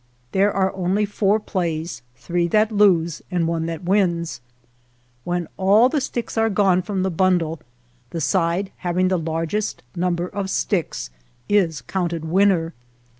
There are only four plays; three that lose and one that wins. When all the sticks are gone from the bundle the side having the largest number of sticks is counted winner.